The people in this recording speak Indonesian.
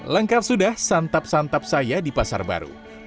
lengkap sudah santap santap saya di pasar baru